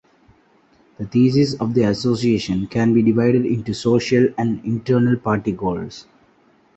The theses of the association can be divided into social and internal party goals.